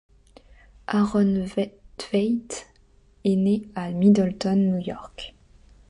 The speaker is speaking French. Aaron Tveit est né à Middleton, New York.